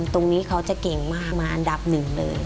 ตรงนี้เขาจะเก่งมากมาอันดับหนึ่งเลย